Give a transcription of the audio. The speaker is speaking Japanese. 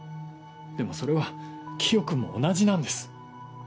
でもそれはキヨ君も同じなんです。